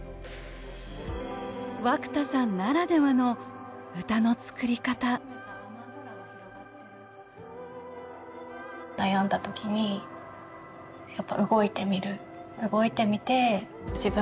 涌田さんならではの歌の作り方悩んだ時にやっぱ動いてみる。